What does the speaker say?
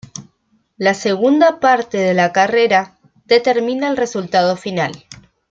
La segunda parte de la carrera determina el resultado final.